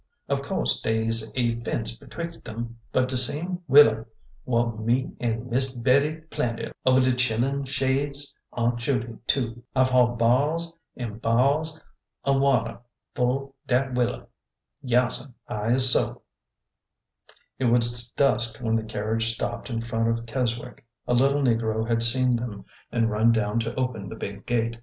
Of co'se dey 's a fence betwixt 'em, but de same wilier wha' me an' Miss Bettie planted over de chil'n shades Aunt Judy too. I Ve hauled bar 'Is an' bar 'Is er water fui dat wilier. Yaas'm, I is so." It was dusk when the carriage stopped in front of Kes wick. A little negro had seen them and run down to open the "big gate."